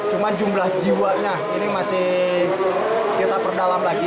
cuma jumlah jiwanya ini masih kita perdalam lagi